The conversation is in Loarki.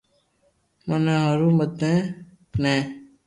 مني ھارون متي ني